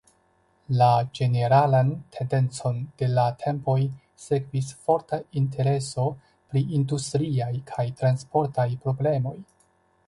La ĝeneralan tendencon de la tempoj sekvis forta intereso pri industriaj kaj transportaj problemoj.